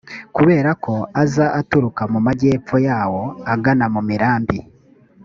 kubera bo aza aturuka mu majyepfo yawo agana mu mirambi.